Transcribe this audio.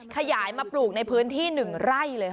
ขยายมาปลูกในพื้นที่๑ไร่เลยค่ะ